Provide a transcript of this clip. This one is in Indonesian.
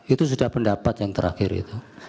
itu sudah pendapat yang terakhir itu